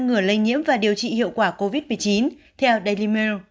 ngừa lây nhiễm và điều trị hiệu quả covid một mươi chín theo daily mail